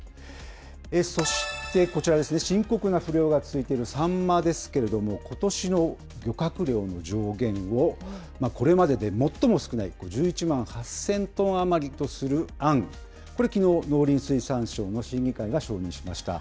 そしてこちらですね、深刻な不漁が続いていますサンマですけれども、ことしの漁獲量の上限を、これまでで最も少ない１１万８０００トン余りとする案、これきのう、農林水産省の審議会が承認しました。